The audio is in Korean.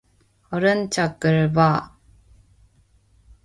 오른쪽을 봐.